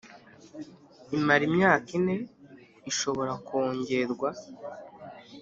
imara imyaka ine ishobora kongerwa